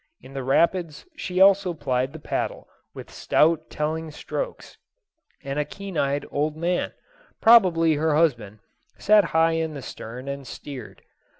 In the rapids she also plied the paddle, with stout, telling strokes, and a keen eyed old man, probably her husband, sat high in the stern and steered.